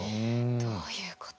どういうこと？